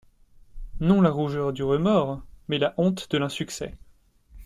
Non la rougeur du remords, mais la honte de l’insuccès.